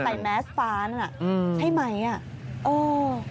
ใส่แม้สปาร์นใช่ไหม